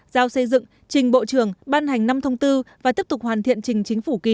giao xây dựng trình bộ trưởng ban hành năm thông tư và tiếp tục hoàn thiện trình chính phủ ký